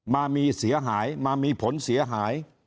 มามีเสียหายมามีผลเสียหาย